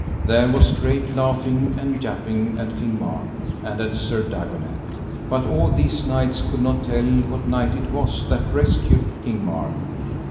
There was great laughing and japing at King Mark and at Sir Dagonet. But all these knights could not tell what knight it was that rescued King Mark.